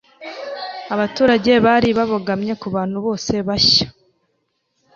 Abaturage bari babogamye kubantu bose bashya.